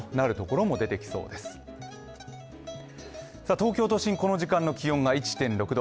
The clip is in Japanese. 東京都心、この時間の気温が１．６度。